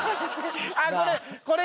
あっこれこれいい！